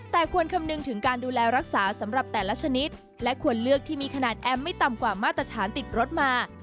แต่ควรคำนึงถึงการดูแลรักษาสำหรับแต่ละชนิดและควรเลือกที่มีขนาดแอมไม่ต่ำกว่ามาตรฐานติดรถมา